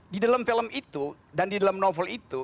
di dalam film itu dan di dalam novel itu